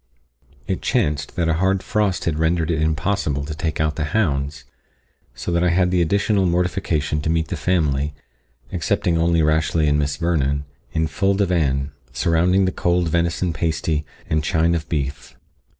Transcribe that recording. It chanced that a hard frost had rendered it impossible to take out the hounds, so that I had the additional mortification to meet the family, excepting only Rashleigh and Miss Vernon, in full divan, surrounding the cold venison pasty and chine of beef.